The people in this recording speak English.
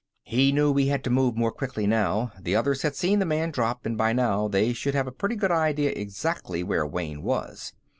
He knew he had to move quickly now; the others had seen the man drop, and by now they should have a pretty good idea exactly where Wayne was.